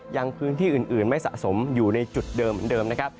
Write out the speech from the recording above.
ยังพื้นที่อื่นไม่สะสมอยู่ในจุดเดิมเหมือนเดิมนะครับ